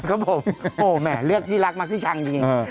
ครับผมโอ้แหมเรียกที่รักมักที่ช้างจริง